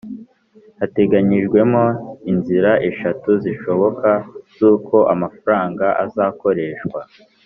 hateganyijwemo inzira eshatu zishoboka z'uko amafaranga azakoreshwa